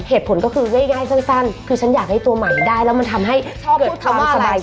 เหตุผลก็คือง่ายสั้นคือฉันอยากให้ตัวใหม่ได้แล้วมันทำให้เกิดความสบายใจ